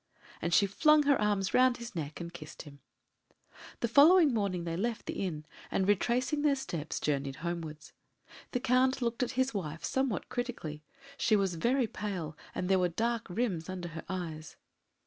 and she flung her arms round his neck and kissed him. The following morning they left the inn, and, retracing their steps, journeyed homewards. The Count looked at his wife somewhat critically; she was very pale, and there were dark rims under her eyes.